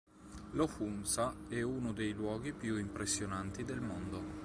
Lo Hunza è uno dei luoghi più impressionanti del mondo.